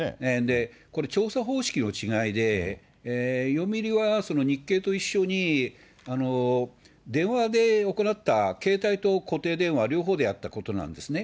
これ、調査方式の違いで、読売は日経と一緒に、電話で行った携帯と固定電話、両方でやったことなんですね。